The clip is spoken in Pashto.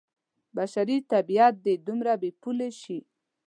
بشري طبعیت دې دومره بې پولې شي.